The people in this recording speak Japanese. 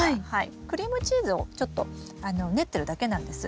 クリームチーズをちょっと練ってるだけなんです。